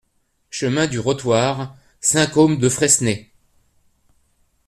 Chemin du Rotoir, Saint-Côme-de-Fresné